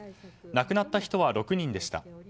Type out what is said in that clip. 亡くなった人は６人でした。